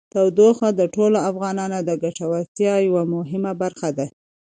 تودوخه د ټولو افغانانو د ګټورتیا یوه مهمه برخه ده.